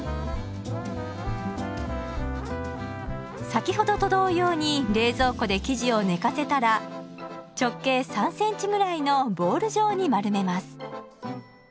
先ほどと同様に冷蔵庫で生地を寝かせたら直径３センチぐらいのボール状に丸めます。